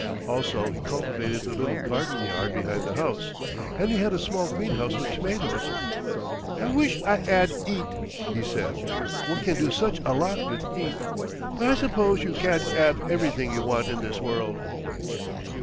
Also he cultivated the little garden yard behind the house, and he had a small greenhouse with tomatoes. "I wish I 'ad 'eat," he said. "One can do such a lot with 'eat. But I suppose you can't 'ave everything you want in this world."